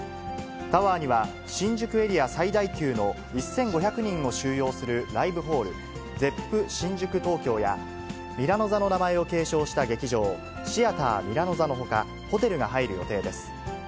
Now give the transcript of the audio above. タワーには、新宿エリア最大級の１５００人を収容するライブホール、ゼップシンジュクトーキョーやミラノ座の名前を継承した劇場、シアターミラノザのほかホテルが入る予定です。